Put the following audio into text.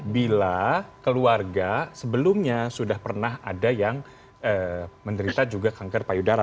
bila keluarga sebelumnya sudah pernah ada yang menderita juga kanker payudara